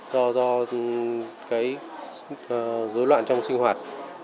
do rối loạn trong sinh hoạt